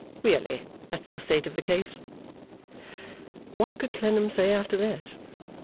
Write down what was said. Really that's the state of the case.' What could Clennam say after this?